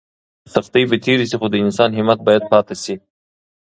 سختۍ به تېرې شي خو د انسان همت باید پاتې شي.